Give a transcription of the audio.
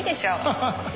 ハハハ！